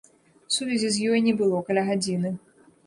Сувязі з ёй не было каля гадзіны.